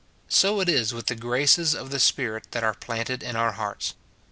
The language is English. So it is with the graces of the Spirit that are planted in our hearts.